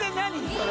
それ。